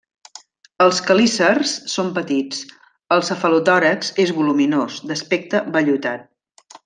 Els quelícers són petits; el cefalotòrax és voluminós, d'aspecte vellutat.